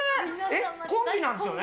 コンビなんですよね？